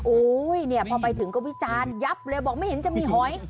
เนี่ยพอไปถึงก็วิจารณ์ยับเลยบอกไม่เห็นจะมีหอย